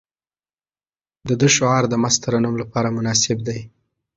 د ده اشعار د مست ترنم لپاره مناسب دي.